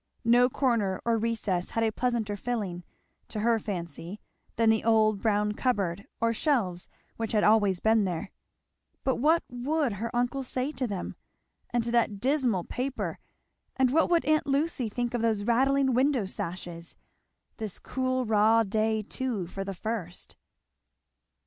No corner or recess had a pleasanter filling, to her fancy, than the old brown cupboard or shelves which had always been there. But what would her uncle say to them! and to that dismal paper! and what would aunt Lucy think of those rattling window sashes! this cool raw day too, for the first!